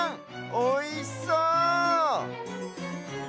おいしそう！